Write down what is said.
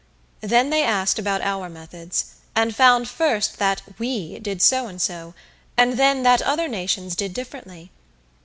Then they asked about our methods, and found first that "we" did so and so, and then that other nations did differently.